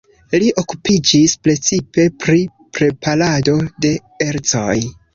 Li okupiĝis precipe pri preparado de ercoj.